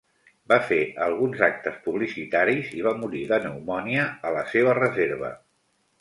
Va fer alguns actes publicitaris i va morir de pneumònia a la seva reserva.